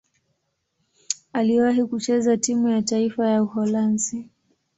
Aliwahi kucheza timu ya taifa ya Uholanzi.